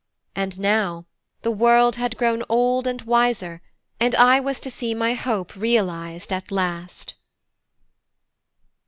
And now, the world had grown old and wiser, and I was to see my hope realised at last!